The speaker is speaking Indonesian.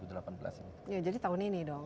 jadi tahun ini dong